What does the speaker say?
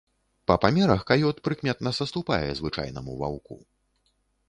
Па памерах каёт прыкметна саступае звычайнаму ваўку.